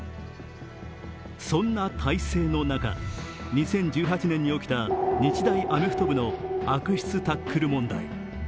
そんな態勢の中、２０１８年に起きた日大アメフト部の悪質タックル問題。